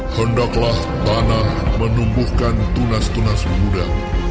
hendaklah tanah menumbuhkan tunas tunas muda